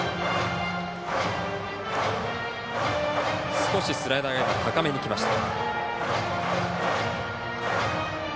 少しスライダーが高めにきました。